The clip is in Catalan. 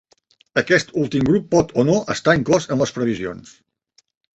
Aquest últim grup pot o no estar inclòs en les previsions.